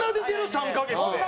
３カ月で。